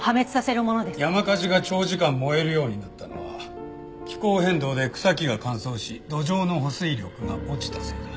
山火事が長時間燃えるようになったのは気候変動で草木が乾燥し土壌の保水力が落ちたせいだ。